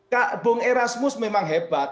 kak bung erasmus memang hebat